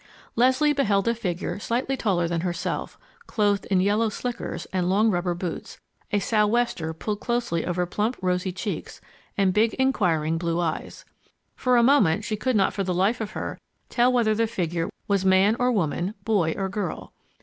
Leslie beheld a figure slightly taller than herself, clothed in yellow "slickers" and long rubber boots, a "sou'wester" pulled closely over plump, rosy cheeks and big, inquiring blue eyes. For a moment she could not for the life of her tell whether the figure was man or woman, boy or girl.